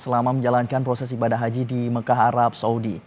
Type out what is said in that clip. selama menjalankan proses ibadah haji di mekah arab saudi